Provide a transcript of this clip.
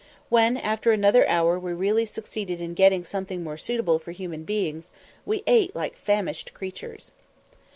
When after another hour we really succeeded in getting something more suitable for human beings, we ate like famished creatures.